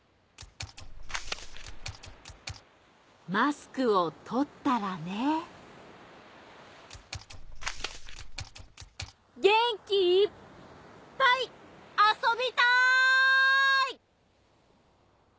マスクをとったらねげんきいっぱいあそびたーい！